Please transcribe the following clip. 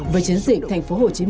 với chiến dịch tp hcm